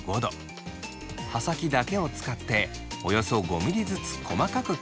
刃先だけを使っておよそ５ミリずつ細かく切っていきます。